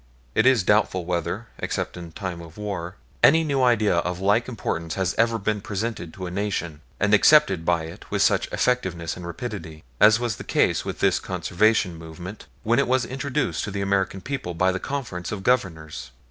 It is doubtful whether, except in time of war, any new idea of like importance has ever been presented to a Nation and accepted by it with such effectiveness and rapidity, as was the case with this Conservation movement when it was introduced to the American people by the Conference of Governors.